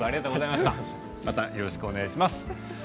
また、よろしくお願いします。